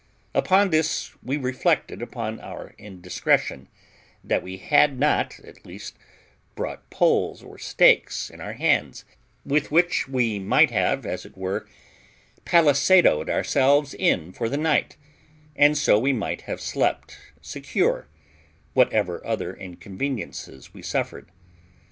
Upon this we reflected upon our indiscretion, that we had not, at least, brought poles or stakes in our hands, with which we might have, as it were, palisadoed ourselves in for the night, and so we might have slept secure, whatever other inconveniences we suffered.